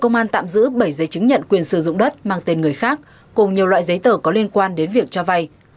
công an tạm giữ bảy giấy chứng nhận quyền sử dụng đất mang tên người khác cùng nhiều loại giấy tờ có liên quan đến việc cho vay